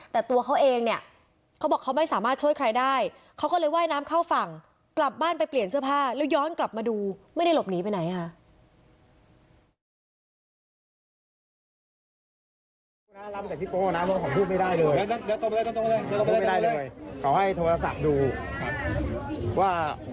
แต่ตัวเขาเองเนี่ยเขาบอกเขาไม่สามารถช่วยใครได้เขาก็เลยว่ายน้ำเข้าฝั่งกลับบ้านไปเปลี่ยนเสื้อผ้าแล้วย้อนกลับมาดูไม่ได้หลบหนีไปไหนค่ะ